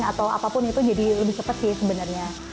atau apapun itu jadi lebih cepat sih sebenarnya